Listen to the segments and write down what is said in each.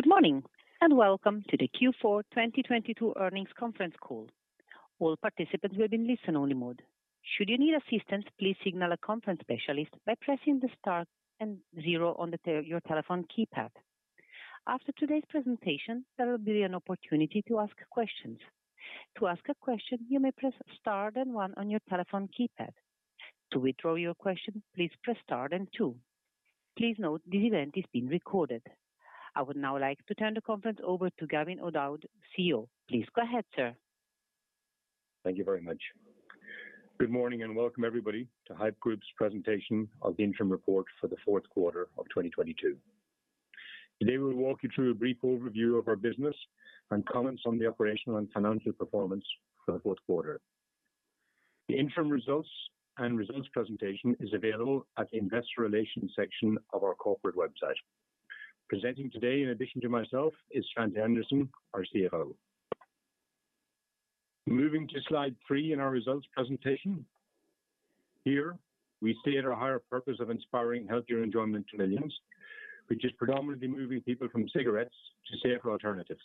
Good morning, welcome to the Q4 2022 earnings conference call. All participants will be in listen only mode. Should you need assistance, please signal a conference specialist by pressing the star and zero on your telephone keypad. After today's presentation, there will be an opportunity to ask questions. To ask a question, you may press star then one on your telephone keypad. To withdraw your question, please press star and two. Please note this event is being recorded. I would now like to turn the conference over to Gavin O'Dowd, CEO. Please go ahead, sir. Thank you very much. Good morning and welcome everybody to Haypp Group's presentation of the interim report for the Q4 of 2022. Today we will walk you through a brief overview of our business and comments on the operational and financial performance for the Q4. The interim results and results presentation is available at the investor relations section of our corporate website. Presenting today, in addition to myself, is Svante Andersson, our CFO. Moving to slide three in our results presentation. Here we state our higher purpose of inspiring healthier enjoyment to millions, which is predominantly moving people from cigarettes to safer alternatives.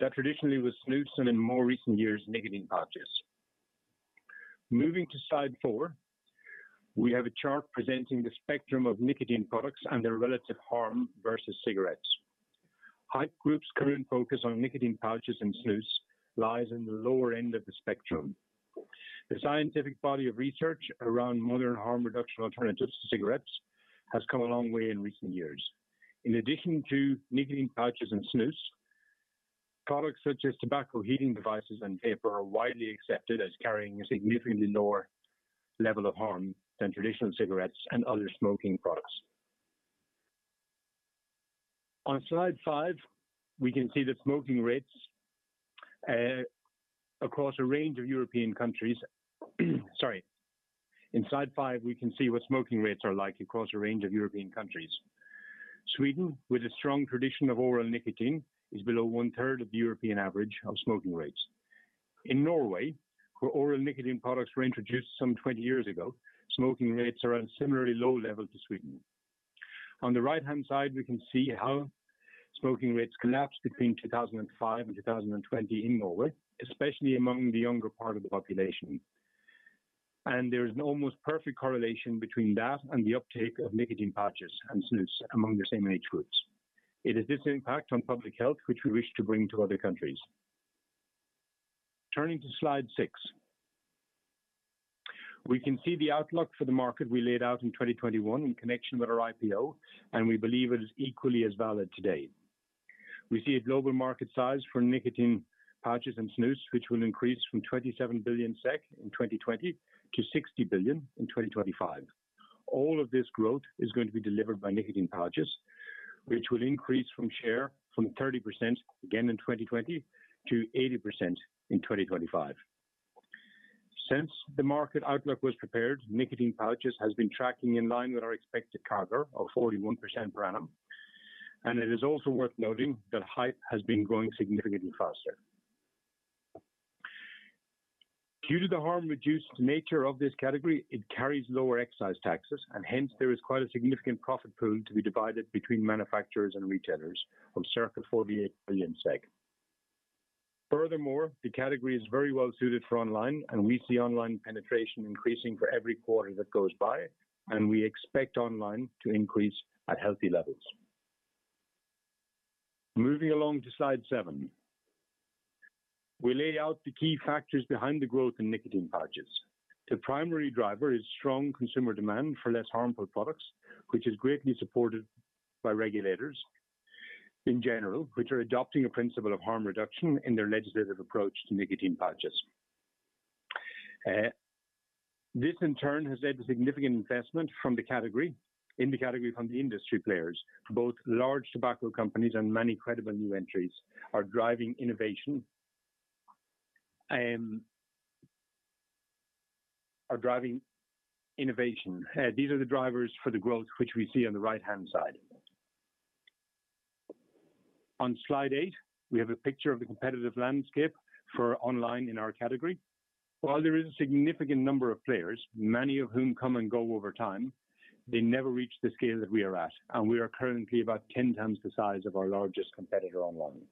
That traditionally was snus, and in more recent years, nicotine pouches. Moving to slide four, we have a chart presenting the spectrum of nicotine products and their relative harm versus cigarettes. Haypp Group's current focus on nicotine pouches and snus lies in the lower end of the spectrum. The scientific body of research around modern harm reduction alternatives to cigarettes has come a long way in recent years. In addition to nicotine pouches and snus, products such as tobacco heating devices and vaping are widely accepted as carrying a significantly lower level of harm than traditional cigarettes and other smoking products. On slide five, we can see the smoking rates across a range of European countries. Sorry. In slide five, we can see what smoking rates are like across a range of European countries. Sweden, with a strong tradition of oral nicotine, is below one-third of the European average of smoking rates. In Norway, where oral nicotine products were introduced some 20 years ago, smoking rates are at similarly low levels to Sweden. On the right-hand side, we can see how smoking rates collapsed between 2005 and 2020 in Norway, especially among the younger part of the population. There is an almost perfect correlation between that and the uptake of nicotine pouches and snus among the same age groups. It is this impact on public health which we wish to bring to other countries. Turning to slide six, we can see the outlook for the market we laid out in 2021 in connection with our IPO, and we believe it is equally as valid today. We see a global market size for nicotine pouches and snus, which will increase from 27 billion SEK in 2020 to 60 billion in 2025. All of this growth is going to be delivered by nicotine pouches, which will increase from share from 30% again in 2020 to 80% in 2025. Since the market outlook was prepared, nicotine pouches has been tracking in line with our expected CAGR of 41% per annum. It is also worth noting that Haypp has been growing significantly faster. Due to the harm-reduced nature of this category, it carries lower excise taxes and hence there is quite a significant profit pool to be divided between manufacturers and retailers of circa 48 billion. The category is very well suited for online, and we see online penetration increasing for every quarter that goes by, and we expect online to increase at healthy levels. Moving along to slide seven, we lay out the key factors behind the growth in nicotine pouches. The primary driver is strong consumer demand for less harmful products, which is greatly supported by regulators in general, which are adopting a principle of harm reduction in their legislative approach to nicotine pouches. This in turn has led to significant investment in the category from the industry players. Both large tobacco companies and many credible new entries are driving innovation. These are the drivers for the growth which we see on the right-hand side. On slide eight, we have a picture of the competitive landscape for online in our category. While there is a significant number of players, many of whom come and go over time, they never reach the scale that we are at, and we are currently about 10x the size of our largest competitor online.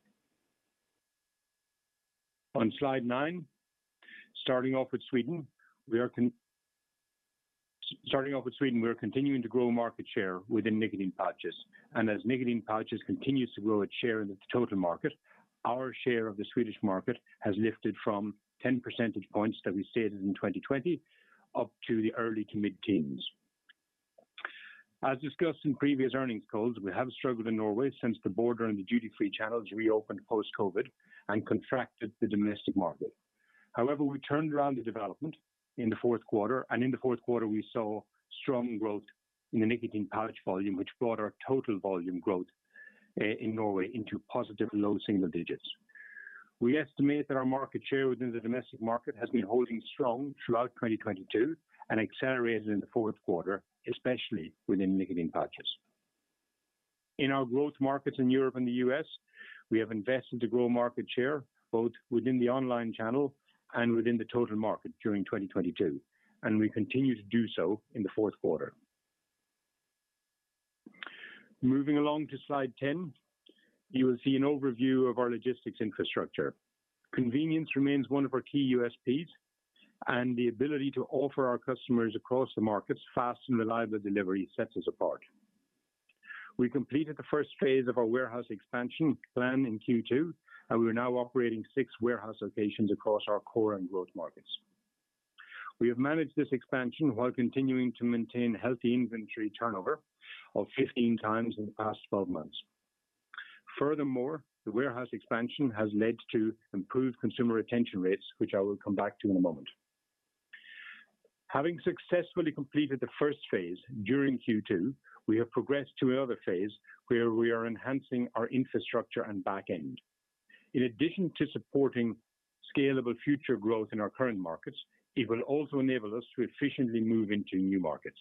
On slide nine, starting off with Sweden, we are continuing to grow market share within nicotine pouches. And as nicotine pouches continues to grow its share in the total market, our share of the Swedish market has lifted from 10 percentage points that we stated in 2020 up to the early to mid-teens. As discussed in previous earnings calls, we have struggled in Norway since the border and the duty-free channels reopened post-COVID and contracted the domestic market. However, we turned around the development in the Q4, we saw strong growth in the nicotine pouch volume, which brought our total volume growth in Norway into positive low single digits. We estimate that our market share within the domestic market has been holding strong throughout 2022 and accelerated in the Q4, especially within nicotine pouches. In our growth markets in Europe and the U.S. We have invested to grow market share both within the online channel and within the total market during 2022, and we continue to do so in the Q4. Moving along to slide 10, you will see an overview of our logistics infrastructure. Convenience remains one of our key USPs, and the ability to offer our customers across the markets fast and reliable delivery sets us apart. We completed the first phase of our warehouse expansion plan in Q2, and we are now operating six warehouse locations across our core and growth markets. We have managed this expansion while continuing to maintain healthy inventory turnover of 15x in the past 12 months. Furthermore, the warehouse expansion has led to improved consumer retention rates, which I will come back to in a moment. Having successfully completed the first phase during Q2, we have progressed to another phase where we are enhancing our infrastructure and back end. In addition to supporting scalable future growth in our current markets, it will also enable us to efficiently move into new markets.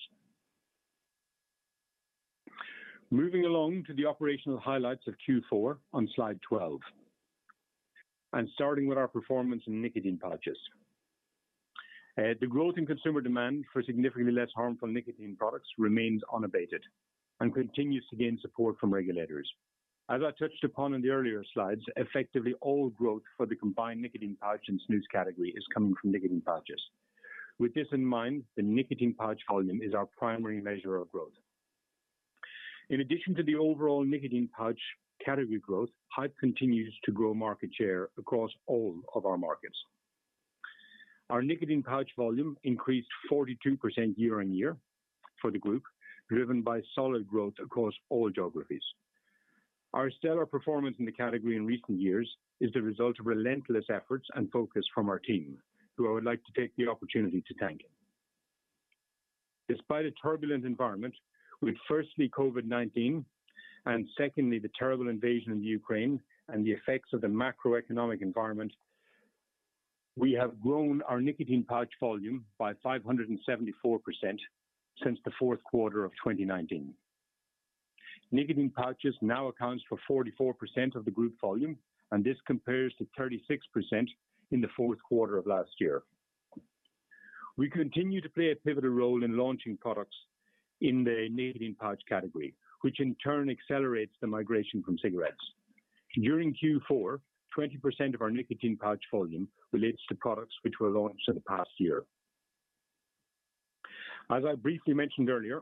Moving along to the operational highlights of Q4 on slide 12, and starting with our performance in nicotine pouches. The growth in consumer demand for significantly less harmful nicotine products remains unabated and continues to gain support from regulators. As I touched upon in the earlier slides, effectively all growth for the combined nicotine pouch and snus category is coming from nicotine pouches. With this in mind, the nicotine pouch volume is our primary measure of growth. In addition to the overall nicotine pouch category growth, Haypp continues to grow market share across all of our markets. Our nicotine pouch volume increased 42% year-on-year for the group, driven by solid growth across all geographies. Our stellar performance in the category in recent years is the result of relentless efforts and focus from our team, who I would like to take the opportunity to thank. Despite a turbulent environment with firstly COVID-19 and secondly, the terrible invasion of Ukraine and the effects of the macroeconomic environment, we have grown our nicotine pouch volume by 574% since the Q4 of 2019. Nicotine pouches now accounts for 44% of the group volume, and this compares to 36% in the Q4 of last year. We continue to play a pivotal role in launching products in the nicotine pouch category, which in turn accelerates the migration from cigarettes. During Q4, 20% of our nicotine pouch volume relates to products which were launched in the past year. As I briefly mentioned earlier,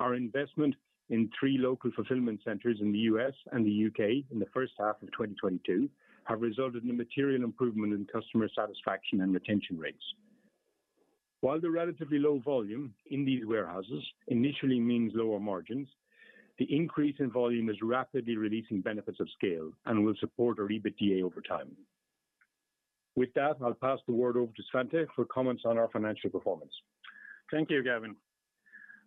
our investment in three local fulfillment centers in the U.S. and the U.K. in the first half of 2022 have resulted in a material improvement in customer satisfaction and retention rates. While the relatively low volume in these warehouses initially means lower margins, the increase in volume is rapidly releasing benefits of scale and will support our EBITDA over time. With that, I'll pass the word over to Svante for comments on our financial performance. Thank you, Gavin.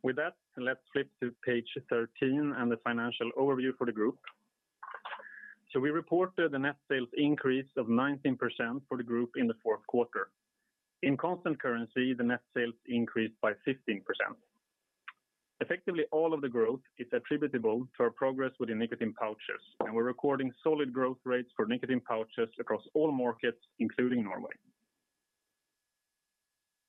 With that, let's flip to page 13 and the financial overview for the group. We reported a net sales increase of 19% for the group in the Q4. In constant currency, the net sales increased by 15%. Effectively, all of the growth is attributable to our progress with the nicotine pouches, and we're recording solid growth rates for nicotine pouches across all markets, including Norway.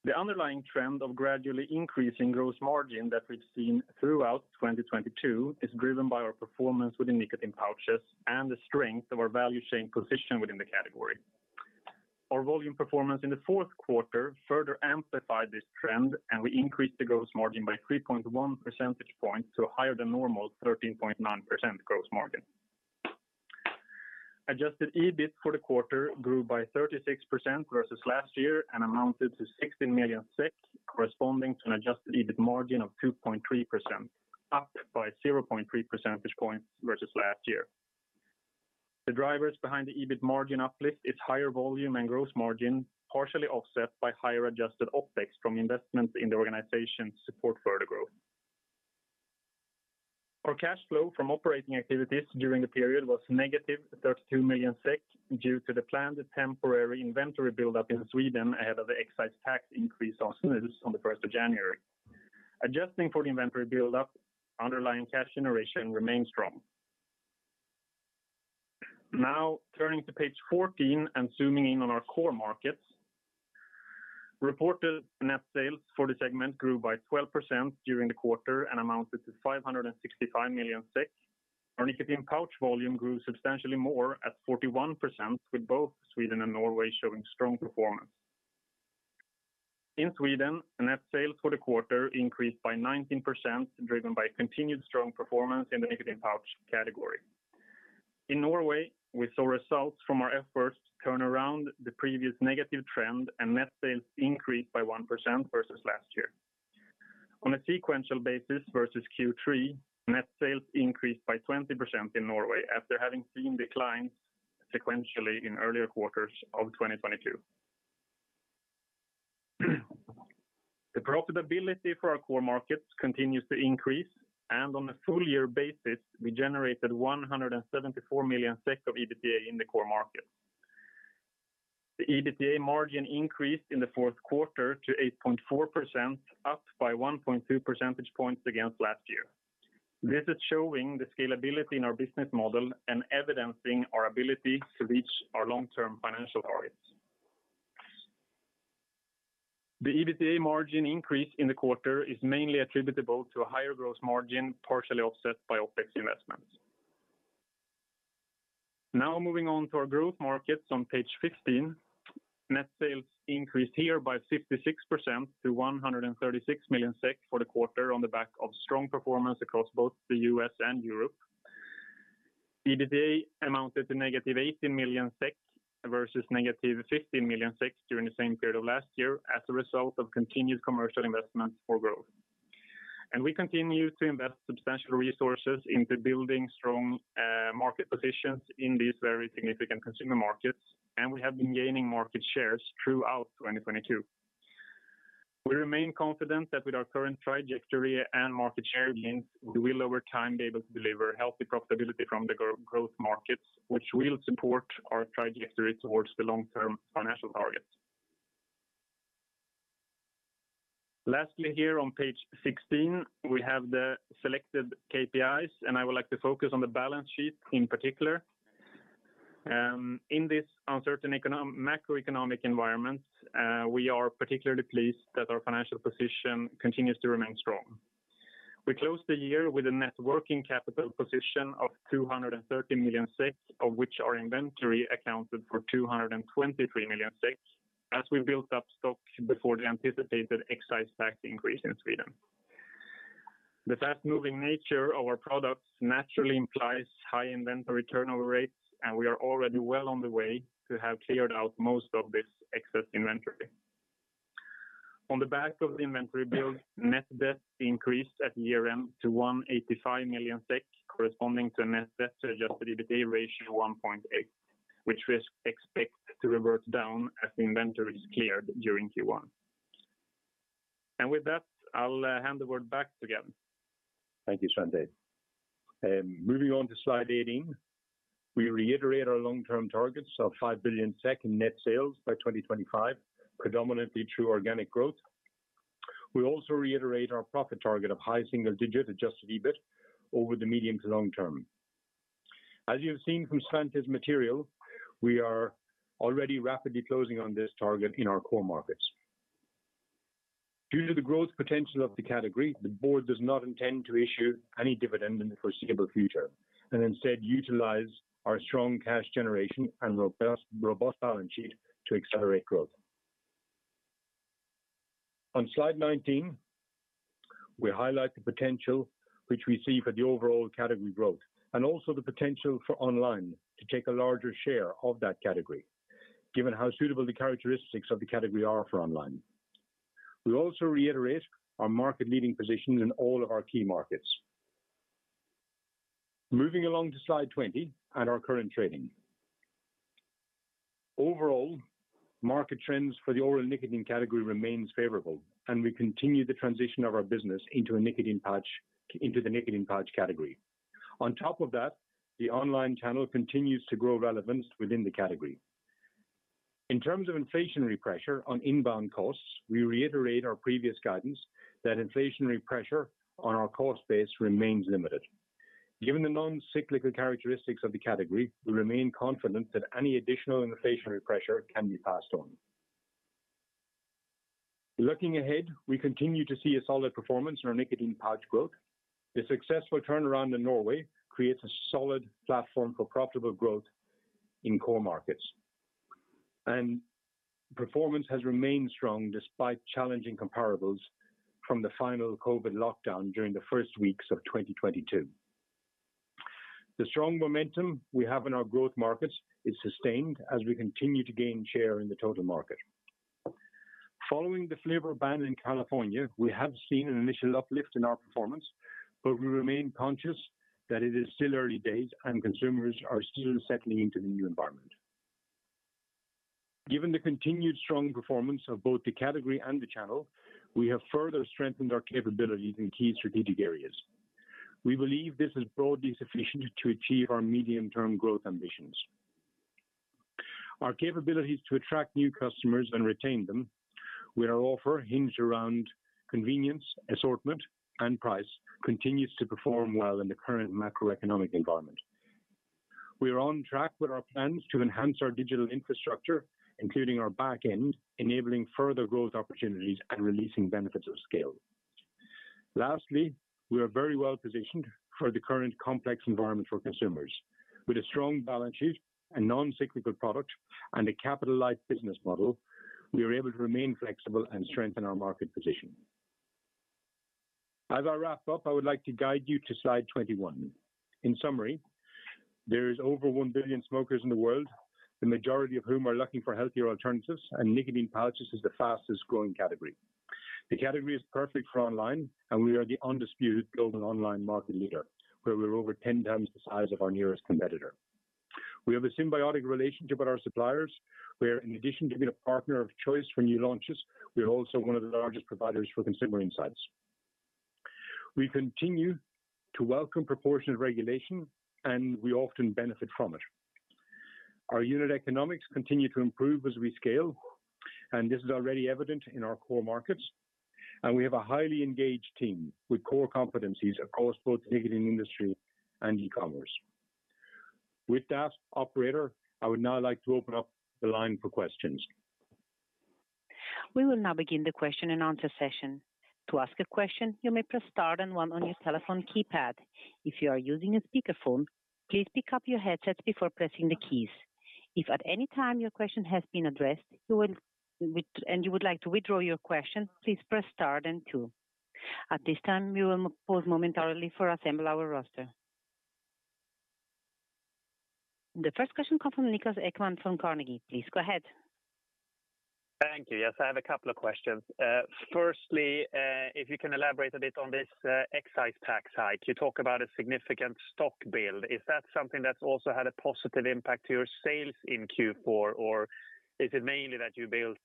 The underlying trend of gradually increasing gross margin that we've seen throughout 2022 is driven by our performance with the nicotine pouches and the strength of our value chain position within the category. Our volume performance in the Q4 further amplified this trend, and we increased the gross margin by 3.1 percentage points to a higher than normal 13.9% gross margin. Adjusted EBIT for the quarter grew by 36% versus last year and amounted to 60 million, corresponding to an adjusted EBIT margin of 2.3%, up by 0.3 percentage points versus last year. The drivers behind the EBIT margin uplift is higher volume and gross margin, partially offset by higher adjusted OpEx from investments in the organization to support further growth. Our cash flow from operating activities during the period was negative 32 million SEK due to the planned temporary inventory buildup in Sweden ahead of the excise tax increase on snus on the 1st of January. Adjusting for the inventory buildup, underlying cash generation remains strong. Now turning to page 14 and zooming in on our core markets. Reported net sales for the segment grew by 12% during the quarter and amounted to 565 million SEK. Our nicotine pouch volume grew substantially more at 41%, with both Sweden and Norway showing strong performance. In Sweden, the net sales for the quarter increased by 19%, driven by continued strong performance in the nicotine pouch category. In Norway, we saw results from our efforts turn around the previous negative trend, and net sales increased by 1% versus last year. On a sequential basis versus Q3, net sales increased by 20% in Norway after having seen declines sequentially in earlier quarters of 2022. The profitability for our core markets continues to increase, and on a full year basis, we generated 174 million SEK of EBITDA in the core markets. The EBITDA margin increased in the Q4 to 8.4%, up by 1.2 percentage points against last year. This is showing the scalability in our business model and evidencing our ability to reach our long-term financial targets. The EBITDA margin increase in the quarter is mainly attributable to a higher growth margin, partially offset by OpEx investments. Moving on to our growth markets on page 15. Net sales increased here by 56% to 136 million SEK for the quarter on the back of strong performance across both the U.S. and Europe. EBITDA amounted to negative 18 million versus negative 15 million during the same period of last year as a result of continued commercial investment for growth. We continue to invest substantial resources into building strong market positions in these very significant consumer markets, and we have been gaining market shares throughout 2022. We remain confident that with our current trajectory and market share gains, we will over time be able to deliver healthy profitability from the growth markets, which will support our trajectory towards the long-term financial targets. Lastly here on page 16, we have the selected KPIs. I would like to focus on the balance sheet in particular. In this uncertain macroeconomic environment, we are particularly pleased that our financial position continues to remain strong. We closed the year with a net working capital position of 230 million, of which our inventory accounted for 223 million as we built up stock before the anticipated excise tax increase in Sweden. The fast-moving nature of our products naturally implies high inventory turnover rates. We are already well on the way to have cleared out most of this excess inventory. On the back of the inventory build, net debt increased at year-end to 185 million SEK, corresponding to a net debt to adjusted EBITDA ratio of 1.8, which we expect to revert down as the inventory is cleared during Q1. With that, I'll hand the word back to Gavin. Thank you, Svante. Moving on to slide 18. We reiterate our long-term targets of 5 billion net sales by 2025, predominantly through organic growth. We also reiterate our profit target of high single-digit adjusted EBIT over the medium to long term. As you have seen from Svante's material, we are already rapidly closing on this target in our core markets. Due to the growth potential of the category, the board does not intend to issue any dividend in the foreseeable future, and instead utilize our strong cash generation and robust balance sheet to accelerate growth. On slide 19, we highlight the potential which we see for the overall category growth, and also the potential for online to take a larger share of that category, given how suitable the characteristics of the category are for online. We also reiterate our market-leading positions in all of our key markets. Moving along to slide 20 and our current trading. Overall, market trends for the oral nicotine category remains favorable, and we continue the transition of our business into a nicotine pouch into the nicotine pouch category. On top of that, the online channel continues to grow relevance within the category. In terms of inflationary pressure on inbound costs, we reiterate our previous guidance that inflationary pressure on our cost base remains limited. Given the non-cyclical characteristics of the category, we remain confident that any additional inflationary pressure can be passed on. Looking ahead, we continue to see a solid performance in our nicotine pouch growth. The successful turnaround in Norway creates a solid platform for profitable growth in core markets. Performance has remained strong despite challenging comparables from the final COVID lockdown during the first weeks of 2022. The strong momentum we have in our growth markets is sustained as we continue to gain share in the total market. Following the flavor ban in California, we have seen an initial uplift in our performance, but we remain conscious that it is still early days and consumers are still settling into the new environment. Given the continued strong performance of both the category and the channel, we have further strengthened our capabilities in key strategic areas. We believe this is broadly sufficient to achieve our medium-term growth ambitions. Our capabilities to attract new customers and retain them with our offer hinged around convenience, assortment, and price continues to perform well in the current macroeconomic environment. We are on track with our plans to enhance our digital infrastructure, including our back end, enabling further growth opportunities and releasing benefits of scale. Lastly, we are very well-positioned for the current complex environment for consumers. With a strong balance sheet, a non-cyclical product, and a capitalized business model, we are able to remain flexible and strengthen our market position. As I wrap up, I would like to guide you to slide 21. In summary, there is over 1 billion smokers in the world, the majority of whom are looking for healthier alternatives, and nicotine pouches is the fastest-growing category. The category is perfect for online, and we are the undisputed global online market leader, where we're over 10 times the size of our nearest competitor. We have a symbiotic relationship with our suppliers, where in addition to being a partner of choice for new launches, we are also one of the largest providers for consumer insights. We often benefit from it. Our unit economics continue to improve as we scale, and this is already evident in our core markets. We have a highly engaged team with core competencies across both nicotine industry and e-commerce. With that operator, I would now like to open up the line for questions. We will now begin the question and answer session. To ask a question, you may press star then one on your telephone keypad. If you are using a speakerphone, please pick up your headset before pressing the keys. If at any time your question has been addressed, you will and you would like to withdraw your question, please press star then two. At this time, we will pause momentarily for assemble our roster. The first question come from Niklas Ekman from Carnegie. Please go ahead. Thank you. Yes, I have a couple of questions. Firstly, if you can elaborate a bit on this excise tax hike, you talk about a significant stock build. Is that something that's also had a positive impact to your sales in Q4? Is it mainly that you built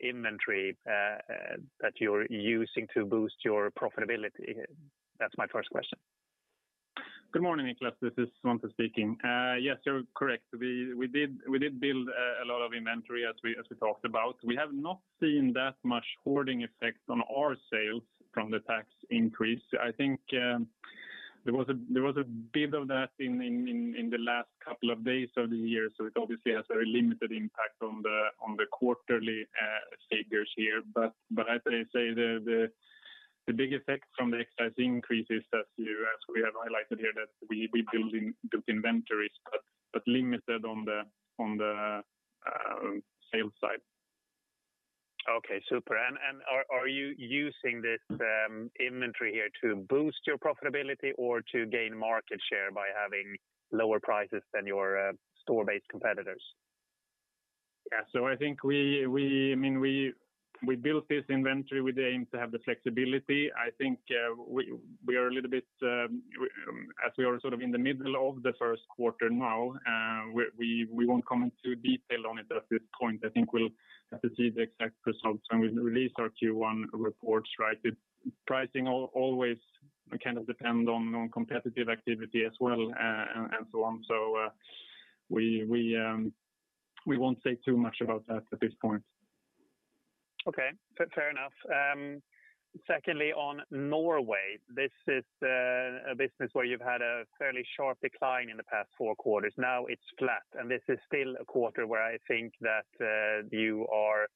inventory that you're using to boost your profitability? That's my first question. Good morning, Niklas. This is Svante speaking. Yes, you're correct. We did build a lot of inventory as we talked about. We have not seen that much hoarding effect on our sales from the tax increase. I think there was a bit of that in the last couple of days of the year, so it obviously has very limited impact on the quarterly figures here. As I say, the big effect from the excise increase is that as we have highlighted here, that we build inventories, but limited on the sales side. Okay, super. Are you using this inventory here to boost your profitability or to gain market share by having lower prices than your store-based competitors? Yeah. I think we built this inventory with the aim to have the flexibility. I think we are a little bit, we won't comment too detailed on it at this point. I think we'll have to see the exact results when we release our Q1 reports, right? The pricing always kind of depend on competitive activity as well, and so on. We won't say too much about that at this point. Okay. Fair, fair enough. Secondly, on Norway, this is a business where you've had a fairly sharp decline in the past four quarters. Now it's flat, and this is still a quarter where I think that you are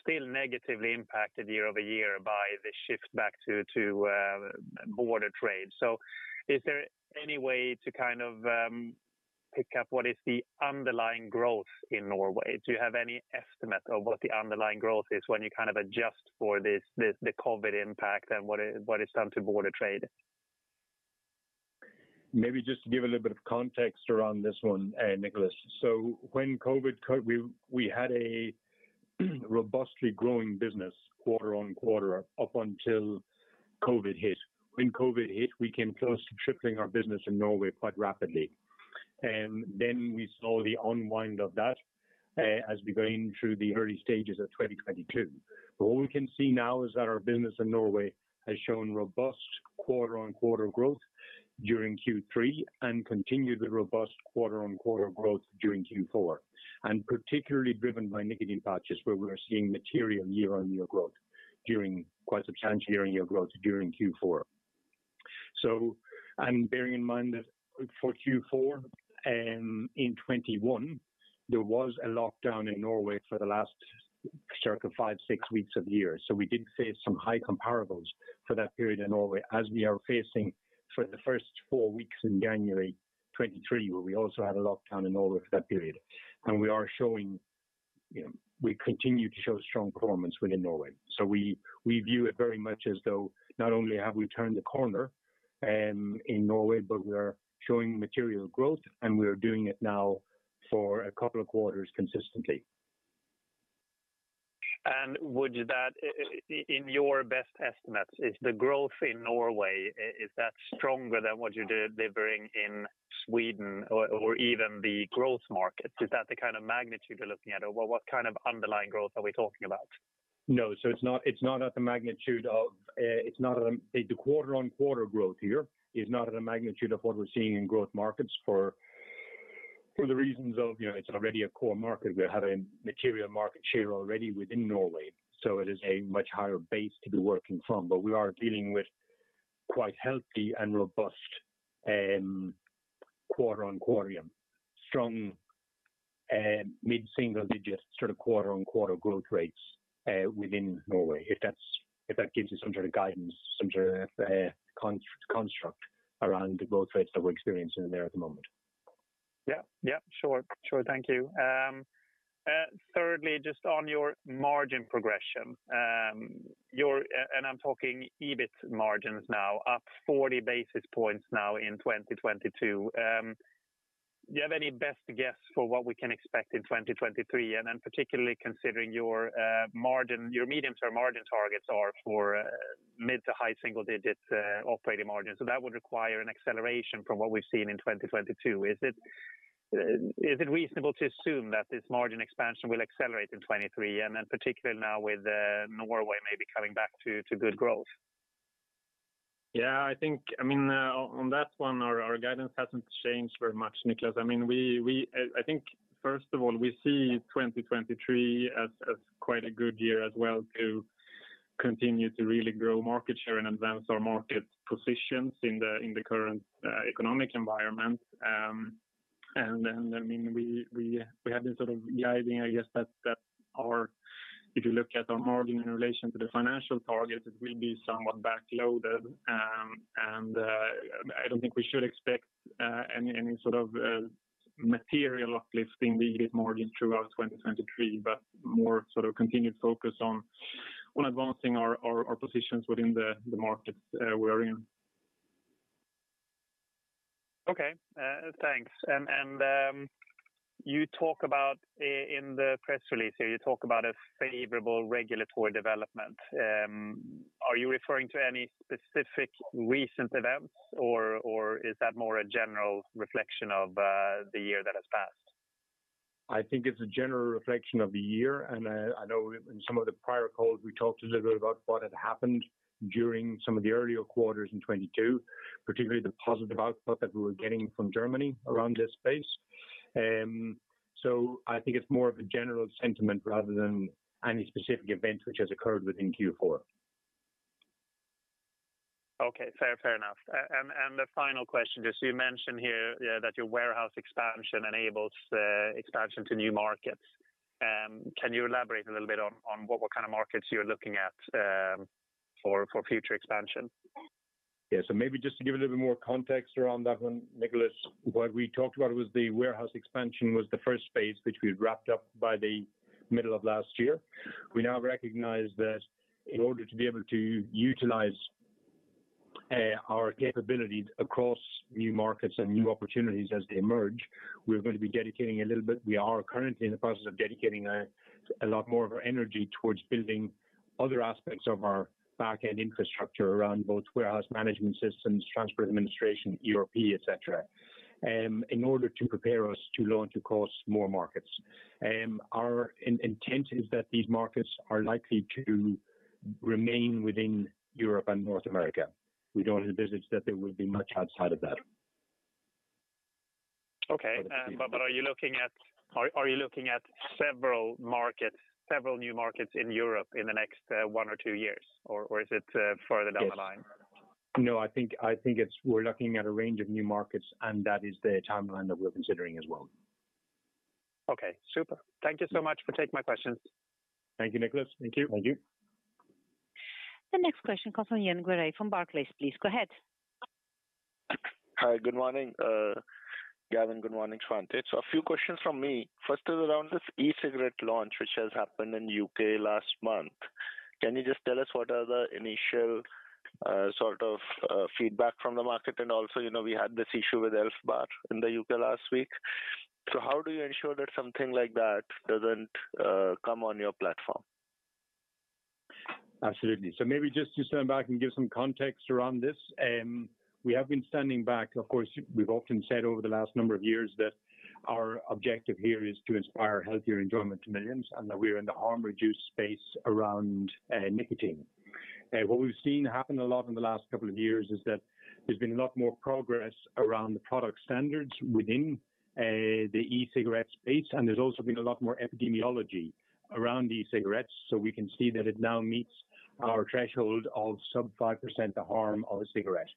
still negatively impacted year-over-year by the shift back to border trade. Is there any way to kind of pick up what is the underlying growth in Norway? Do you have any estimate of what the underlying growth is when you kind of adjust for this, the COVID impact and what it's done to border trade? Maybe just to give a little bit of context around this one, Niklas. When COVID hit, we had a robustly growing business quarter-on-quarter up until COVID hit. When COVID hit, we came close to tripling our business in Norway quite rapidly. Then we saw the unwind of that, as we going through the early stages of 2022. What we can see now is that our business in Norway has shown robust quarter-on-quarter growth during Q3 and continued with robust quarter-on-quarter growth during Q4, and particularly driven by nicotine pouches, where we are seeing quite substantial year-on-year growth during Q4. And bearing in mind that for Q4, in 2021, there was a lockdown in Norway for the last circa 5, 6 weeks of the year. We did face some high comparables for that period in Norway, as we are facing for the first four weeks in January 2023, where we also had a lockdown in Norway for that period. We are showing, you know, we continue to show strong performance within Norway. We view it very much as though not only have we turned the corner in Norway, but we are showing material growth, and we are doing it now for a couple of quarters consistently. Would that, in your best estimates, is the growth in Norway, is that stronger than what you're delivering in Sweden or even the growth markets? Is that the kind of magnitude you're looking at? What kind of underlying growth are we talking about? No. The quarter-on-quarter growth here is not at a magnitude of what we're seeing in growth markets for the reasons of, you know, it's already a core market. We have a material market share already within Norway, so it is a much higher base to be working from. We are dealing with quite healthy and robust quarter-on-quarter strong mid-single-digits sort of quarter-on-quarter growth rates within Norway, if that gives you some sort of guidance, some sort of construct around the growth rates that we're experiencing there at the moment. Yeah. Yeah. Sure. Sure. Thank you. Thirdly, just on your margin progression, your, and I'm talking EBIT margins now, up 40 basis points now in 2022. Do you have any best guess for what we can expect in 2023? Particularly considering your medium-term margin targets are for mid to high single digits, operating margins. That would require an acceleration from what we've seen in 2022. Is it reasonable to assume that this margin expansion will accelerate in 2023 particularly now with Norway maybe coming back to good growth? Yeah, I think, I mean, on that one our guidance hasn't changed very much, Niklas. I mean, we I think first of all, we see 2023 as quite a good year as well to continue to really grow market share and advance our market positions in the current economic environment. I mean, we have been sort of guiding, I guess that If you look at our margin in relation to the financial target, it will be somewhat backloaded. I don't think we should expect material uplifting the EBIT margin throughout 2023, but more sort of continued focus on advancing our positions within the markets we are in. Okay. thanks. You talk about, in the press release here, you talk about a favorable regulatory development. Are you referring to any specific recent events or is that more a general reflection of the year that has passed? I think it's a general reflection of the year. I know in some of the prior calls, we talked a little bit about what had happened during some of the earlier quarters in 2022, particularly the positive output that we were getting from Germany around this space. I think it's more of a general sentiment rather than any specific event which has occurred within Q4. Okay. Fair, fair enough. The final question, just you mentioned here, yeah, that your warehouse expansion enables expansion to new markets. Can you elaborate a little bit on what kind of markets you're looking at for future expansion? Maybe just to give a little bit more context around that one, Niklas, what we talked about was the warehouse expansion was the first phase which we wrapped up by the middle of last year. We now recognize that in order to be able to utilize our capabilities across new markets and new opportunities as they emerge, we are currently in the process of dedicating a lot more of our energy towards building other aspects of our back-end infrastructure around both warehouse management systems, transport administration, ERP, et cetera, in order to prepare us to launch across more markets. Our intent is that these markets are likely to remain within Europe and North America. We don't envisage that there will be much outside of that. Okay. Are you looking at several markets, several new markets in Europe in the next one or two years, or is it further down the line? Yes. No, I think it's we're looking at a range of new markets, and that is the timeline that we're considering as well. Okay, super. Thank you so much for taking my questions. Thank you, Niklas. Thank you. Thank you. The next question comes from Gaurav Jain from Barclays, please go ahead. Hi, good morning, Gavin, good morning, Svante. A few questions from me. First is around this e-cigarette launch, which has happened in U.K. last month. Can you just tell us what are the initial, sort of, feedback from the market? You know, we had this issue with ELF BAR in the U.K. last week. How do you ensure that something like that doesn't come on your platform? Absolutely. Maybe just to stand back and give some context around this. We have been standing back. Of course, we've often said over the last number of years that our objective here is to inspire healthier enjoyment to millions and that we're in the harm reduced space around nicotine. What we've seen happen a lot in the last couple of years is that there's been a lot more progress around the product standards within the e-cigarette space, and there's also been a lot more epidemiology around the e-cigarettes, so we can see that it now meets our threshold of sub 5% the harm of a cigarette.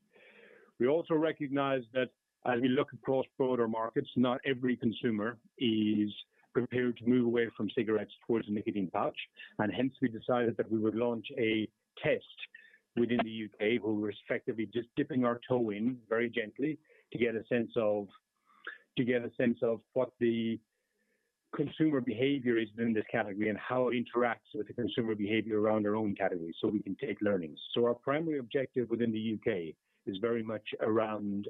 We also recognize that as we look across broader markets, not every consumer is prepared to move away from cigarettes towards a nicotine pouch. Hence, we decided that we would launch a test within the U.K. We're respectively just dipping our toe in very gently to get a sense of what the consumer behavior is within this category and how it interacts with the consumer behavior around their own category we can take learnings. Our primary objective within the U.K. is very much around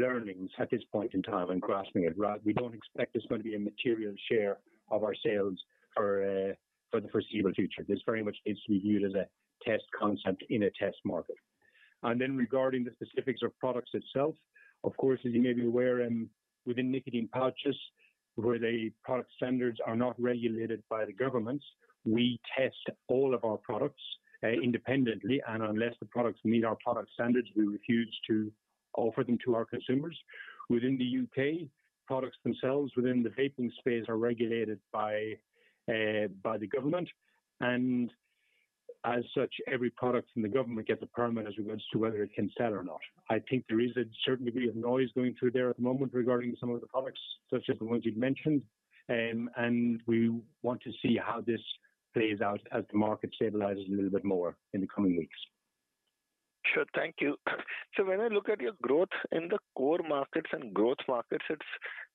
learnings at this point in time and grasping it. We don't expect it's going to be a material share of our sales for the foreseeable future. This very much needs to be viewed as a test concept in a test market. Regarding the specifics of products itself, of course, as you may be aware, within nicotine pouches, where the product standards are not regulated by the governments, we test all of our products independently, and unless the products meet our product standards, we refuse to offer them to our consumers. Within the U.K., products themselves within the vaping space are regulated by the government. Every product from the government gets a permit as regards to whether it can sell or not. I think there is a certain degree of noise going through there at the moment regarding some of the products, such as the ones you'd mentioned. We want to see how this plays out as the market stabilizes a little bit more in the coming weeks. Sure. Thank you. When I look at your growth in the core markets and growth markets,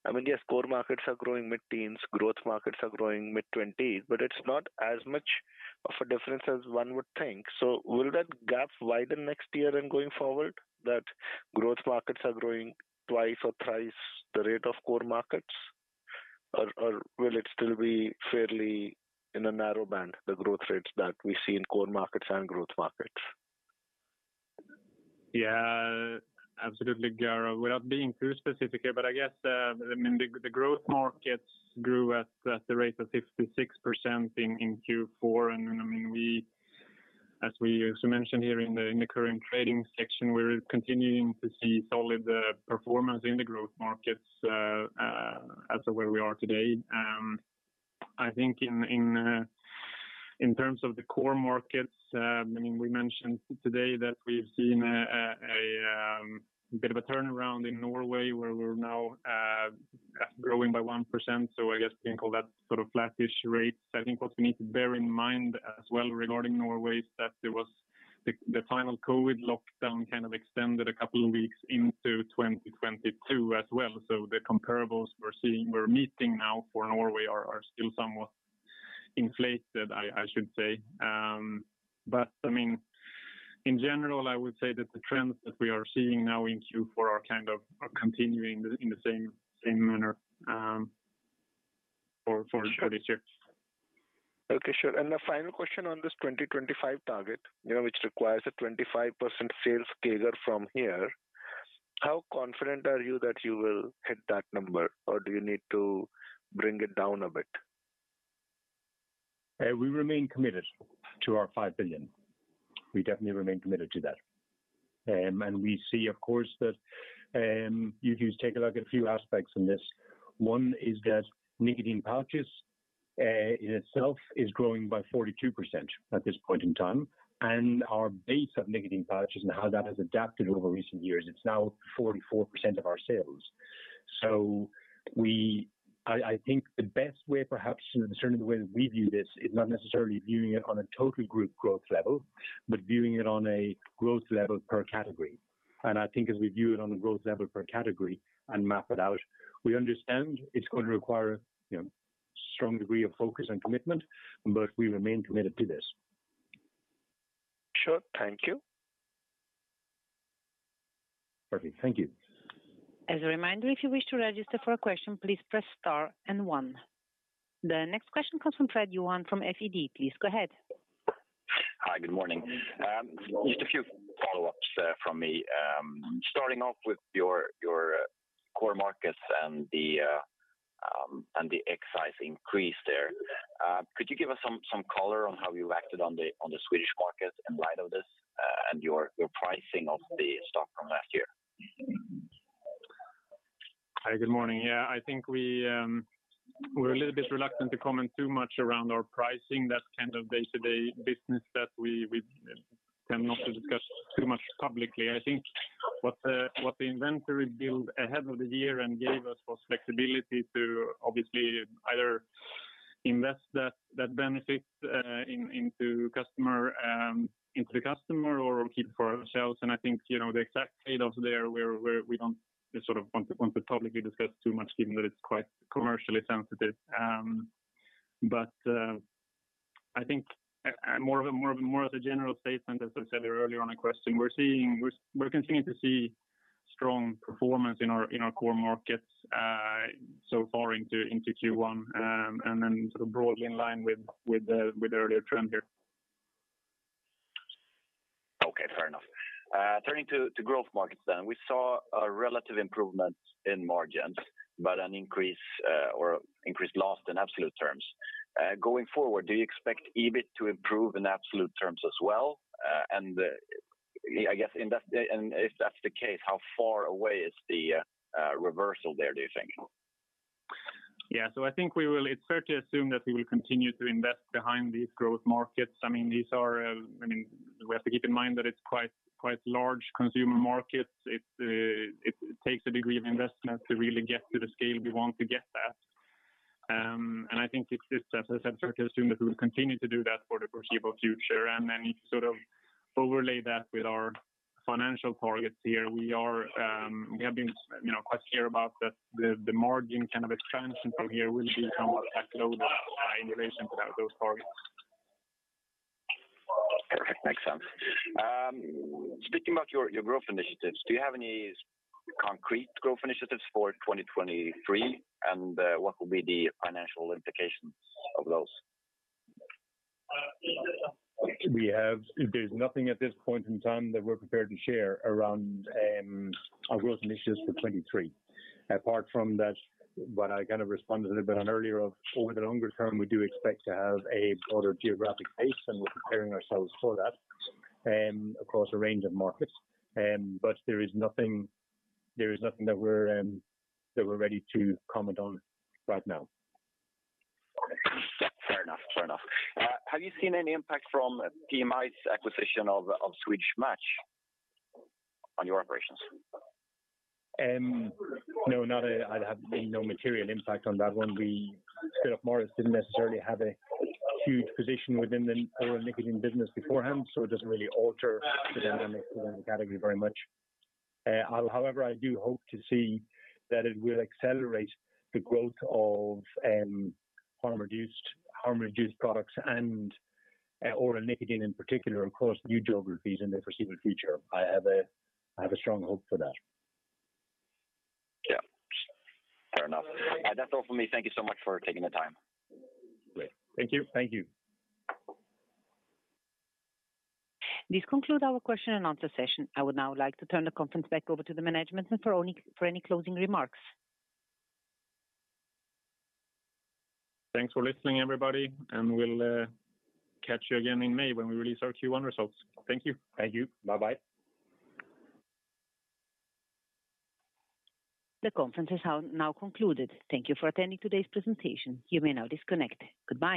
I mean, yes, core markets are growing mid-teens, growth markets are growing mid-20s, but it's not as much of a difference as one would think. Will that gap widen next year and going forward, that growth markets are growing 2x or 3x the rate of core markets? Or will it still be fairly in a narrow band, the growth rates that we see in core markets and growth markets? Absolutely, Gaurav. Without being too specific here, I guess the growth markets grew at the rate of 56% in Q4. As we also mentioned here in the current trading section, we're continuing to see solid performance in the growth markets as of where we are today. I think in terms of the core markets, we mentioned today that we've seen a bit of a turnaround in Norway, where we're now growing by 1%, I guess you can call that sort of flattish rates. I think what we need to bear in mind as well regarding Norway is that there was the final COVID lockdown kind of extended a couple of weeks into 2022 as well. The comparables we're meeting now for Norway are still somewhat inflated, I should say. I mean, in general, I would say that the trends that we are seeing now in Q4 are kind of continuing in the same manner, for this year. Okay, sure. The final question on this 2025 target, you know, which requires a 25% sales CAGR from here, how confident are you that you will hit that number? Or do you need to bring it down a bit? We remain committed to our 5 billion. We definitely remain committed to that. We see, of course that, you take a look at a few aspects in this. One is that nicotine pouches in itself is growing by 42% at this point in time. Our base of nicotine pouches and how that has adapted over recent years, it's now 44% of our sales. I think the best way perhaps, and certainly the way that we view this, is not necessarily viewing it on a total group growth level, but viewing it on a growth level per category. I think as we view it on a growth level per category and map it out, we understand it's going to require, you know, strong degree of focus and commitment, but we remain committed to this. Sure. Thank you. Perfect. Thank you. As a reminder, if you wish to register for a question, please press star and one. The next question comes from Fred Johan from SEB. Please go ahead. Hi, good morning. Just a few follow-ups from me. Starting off with your core markets and the exercise increase there. Could you give us some color on how you acted on the Swedish market in light of this and your pricing of the stock from last year? Hi, good morning. Yeah, I think we're a little bit reluctant to comment too much around our pricing. That's kind of day-to-day business that we tend not to discuss too much publicly. I think what the, what the inventory build ahead of the year and gave us was flexibility to obviously either invest that benefit, in, into customer, into the customer or keep it for ourselves. And I think, you know, the exact trade-offs there we don't sort of want to publicly discuss too much, given that it's quite commercially sensitive. I think a more of the general statement, as I said earlier on a question, we're continuing to see strong performance in our core markets, so far into Q1, and then sort of broadly in line with the earlier trend here. Fair enough. Turning to growth markets then. We saw a relative improvement in margins, but an increase, or increased loss in absolute terms. Going forward, do you expect EBIT to improve in absolute terms as well? I guess and if that's the case, how far away is the reversal there, do you think? I think it's fair to assume that we will continue to invest behind these growth markets. I mean, these are, I mean, we have to keep in mind that it's quite large consumer markets. It takes a degree of investment to really get to the scale we want to get at. I think it's as I said, fair to assume that we'll continue to do that for the foreseeable future. You sort of overlay that with our financial targets here. We are, we have been, you know, quite clear about the margin kind of expansion from here will become a load of in relation to that, those targets. Makes sense. Speaking about your growth initiatives, do you have any concrete growth initiatives for 2023? What will be the financial implications of those? There's nothing at this point in time that we're prepared to share around our growth initiatives for 2023. Apart from that, what I kind of responded a little bit on earlier of over the longer term, we do expect to have a broader geographic base, and we're preparing ourselves for that across a range of markets. There is nothing that we're ready to comment on right now. Okay. Fair enough. Fair enough. Have you seen any impact from PMI's acquisition of Swedish Match on your operations? No, I have seen no material impact on that one. Philip Morris didn't necessarily have a huge position within the oral nicotine business beforehand, so it doesn't really alter the dynamic within the category very much. However, I do hope to see that it will accelerate the growth of harm reduced products and oral nicotine in particular, across new geographies in the foreseeable future. I have a strong hope for that. Yeah. Fair enough. That's all for me. Thank you so much for taking the time. Great. Thank you. Thank you. This concludes our question and answer session. I would now like to turn the conference back over to the management and for any closing remarks. Thanks for listening, everybody, and we'll catch you again in May when we release our Q1 results. Thank you. Thank you. Bye-bye. The conference is now concluded. Thank you for attending today's presentation. You may now disconnect. Goodbye.